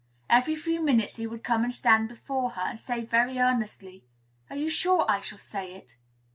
Every few minutes he would come and stand before her, and say very earnestly, "Are you sure I shall say it?"